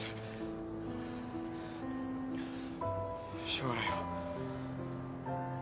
しょうがないよ。